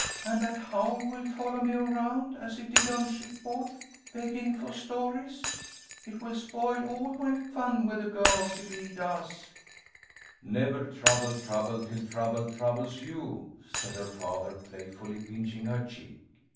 And that Howl will follow me around as he did on shipboard, beggin' for stories? It will spoil all my fun with the girls if he does." "'Never trouble trouble till trouble troubles you,'" said her father, playfully pinching her cheek.